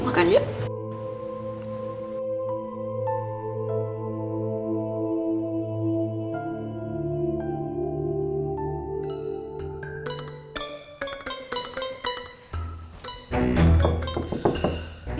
tidak ada yang mau